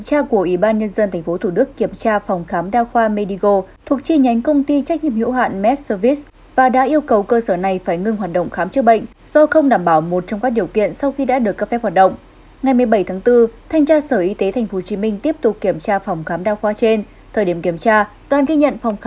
thời điểm kiểm tra đoàn ghi nhận phòng khám đa khoa này vẫn mở cửa hoạt động